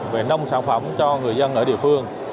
về nông sản phẩm cho người dân ở địa phương